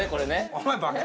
お前バカ！